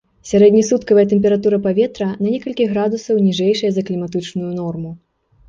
Сярэднесуткавая тэмпература паветра на некалькі градусаў ніжэйшая за кліматычную норму.